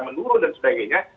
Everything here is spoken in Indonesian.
menurun dan sebagainya